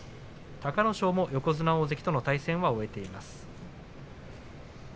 隆の勝も横綱大関の対戦を終えています。